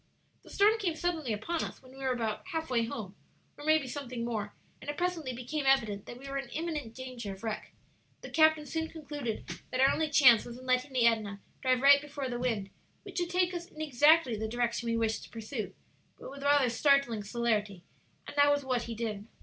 "The storm came suddenly upon us when we were about half way home, or maybe something more; and it presently became evident that we were in imminent danger of wreck. The captain soon concluded that our only chance was in letting the Edna drive right before the wind, which would take us in exactly the direction we wished to pursue, but with rather startling celerity; and that was what he did.